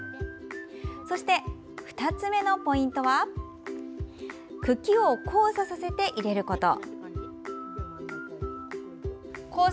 そして２つ目のポイントは茎を交差させて入れること。